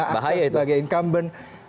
akses sebagai incumbent